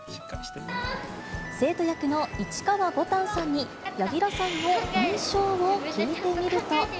生徒役の市川ぼたんさんに、柳楽さんの印象を聞いてみると。